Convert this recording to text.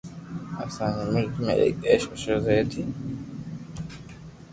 اسان جي ملڪ ۾ هڪ عيش عشرت رهي ٿي